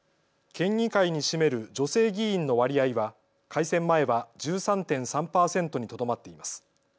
県議会に占める女性議員の割合は改選前は１３．３％にとどまっています。